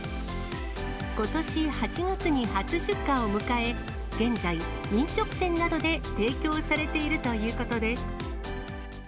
ことし８月に初出荷を迎え、現在、飲食店などで提供されているということです。